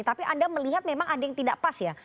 tapi anda melihat memang ada yang tidak pas ya